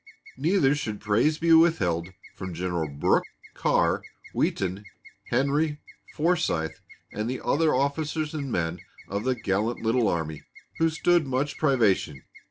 Neither should praise be withheld from Generals Brooke, Carr, Wheaton, Henry, Forsythe, and the other officers and men of the gallant little army, who stood much privation.